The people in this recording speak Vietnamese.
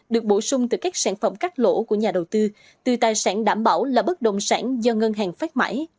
được bổ sung từ các sản phẩm cắt lỗ của nhà đầu tư từ tài sản đảm bảo là bất đồng sản do ngân hàng phát mãi